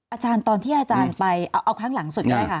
อาจารย์ตอนที่อาจารย์ไปเอาครั้งหลังสุดก็ได้ค่ะ